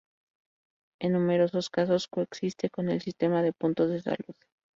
En numerosos casos, coexiste con el sistema de puntos de salud.